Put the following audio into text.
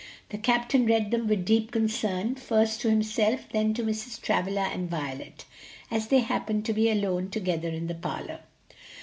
The captain read them with deep concern, first to himself, then to Mrs. Travilla and Violet, as they happened to be alone together in the parlor.